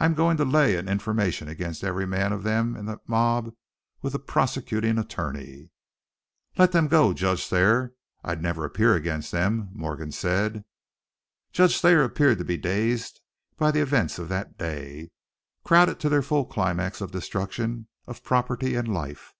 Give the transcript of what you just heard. I'm going to lay an information against every man of them in that mob with the prosecuting attorney!" "Let them go, Judge Thayer I'd never appear against them," Morgan said. Judge Thayer appeared to be dazed by the events of that day, crowded to their fearful climax of destruction of property and life.